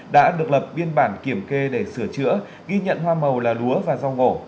đã được lập biên bản kiểm kê để sửa chữa ghi nhận hoa màu là lúa và rong ổ